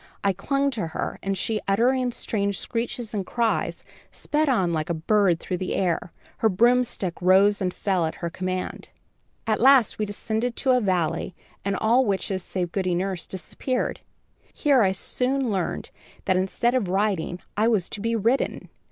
I clung to her, and she, uttering strange screeches and cries, sped on like a bird through the air. Her broomstick rose and fell at her command. "At last we descended to a valley, and all the witches save Goody Nurse disappeared. Here I soon learned that, instead of riding, I was to be ridden.